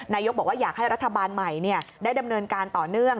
นายกบอกว่าอยากให้รัฐบาลใหม่ได้ดำเนินการต่อเนื่อง